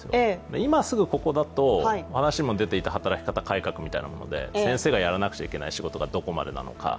今すぐここだと、働き方改革みたいなもので先生がやらなくちゃいけない仕事がどこまでなのか。